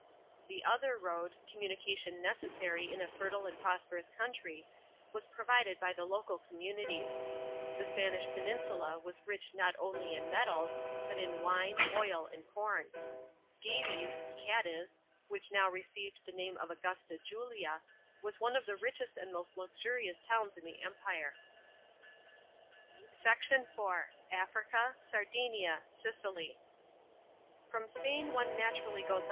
The other road communication necessary in a fertile and prosperous country, was provided by the local communities. The Spanish peninsula was rich not only in metals, but in wine, oil, and corn. Gades (Cadiz), which now received the name of Augusta Julia, was one of the richest and most luxurious towns in the Empire. * Horace, Odes, iv. 14. 41 : Cantaber non ante domabilis.